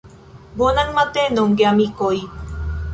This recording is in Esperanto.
Bonan matenon, geamikoj!